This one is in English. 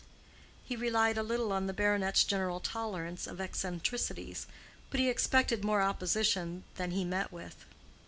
He relied a little on the baronet's general tolerance of eccentricities, but he expected more opposition than he met with.